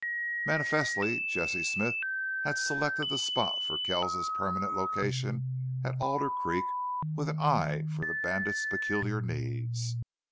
Manifestly Jesse Smith had selected the spot for Kells's permanent location at Alder Creek with an eye for the bandit's peculiar needs.